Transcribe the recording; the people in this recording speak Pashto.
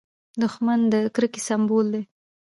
دښمن د کرکې سمبول دی